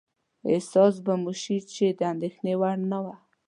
احساس به مو شي چې د اندېښنې وړ نه وه.